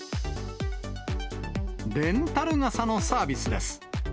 レンタル傘のサービスです。